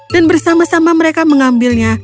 dan bersama sama mereka mengambilnya